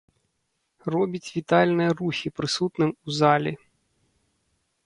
Робіць вітальныя рухі прысутным у залі.